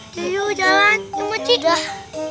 jadilah jalan cuma tidak